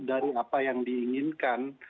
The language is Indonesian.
dari apa yang diinginkan